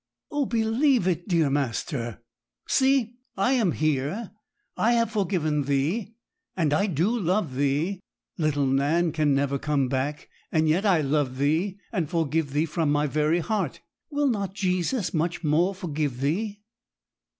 'Oh, believe it, dear master! See, I am here; I have forgiven thee, and I do love thee. Little Nan can never come back, and yet I love thee, and forgive thee from my very heart. Will not Jesus much more forgive thee?'